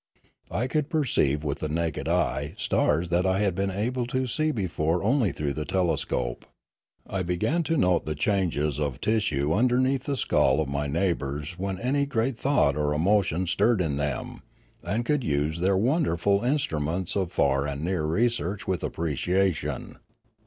I could perceive with the naked eye stars that I had been able to see before only through the telescope. I began to note the changes of tissue underneath the skull of my neighbours when any great thought or emotion 246 Limanora stirred in them, and could use their wonderful instru ments of far and near research with appreciation.